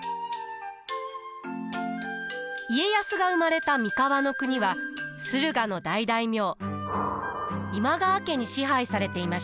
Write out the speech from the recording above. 家康が生まれた三河国は駿河の大大名今川家に支配されていました。